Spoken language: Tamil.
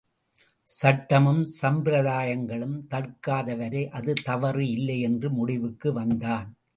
சட்டமும் சம்பிரதாயங்களும் தடுக்காத வரை அது தவறு இல்லை என்று முடிவுக்கு வந்தான்.